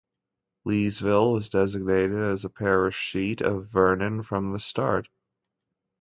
Leesville was designated as the parish seat of Vernon from the start.